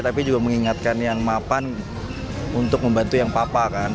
tapi juga mengingatkan yang mapan untuk membantu yang papa kan